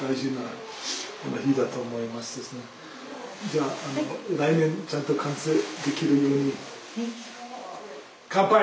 じゃあ来年ちゃんと完成できるように乾杯！